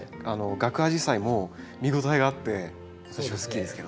ガクアジサイも見応えがあって私は好きですけどね。